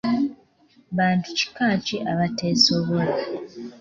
Bantu kika ki abateesobola?